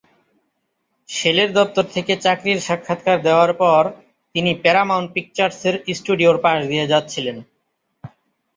শেলের দপ্তর থেকে চাকরির সাক্ষাৎকার দেওয়ার পর তিনি প্যারামাউন্ট পিকচার্সের স্টুডিওর পাশ দিয়ে যাচ্ছিলেন।